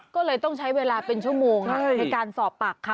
ก็เลยต้องใช้เวลาเป็นชั่วโมงในการสอบปากคำ